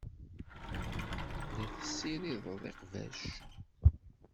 La tessirideḍ iqbac.